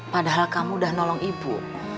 padahal kamu udah nolong ibu